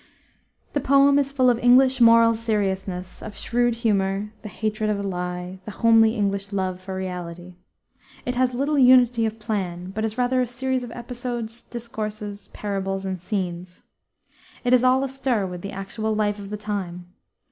The poem is full of English moral seriousness, of shrewd humor, the hatred of a lie, the homely English love for reality. It has little unity of plan, but is rather a series of episodes, discourses, parables, and scenes. It is all astir with the actual life of the time.